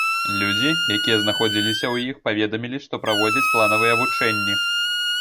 Людзі, якія знаходзіліся ў іх, паведамілі, што праводзяць планавыя вучэнні.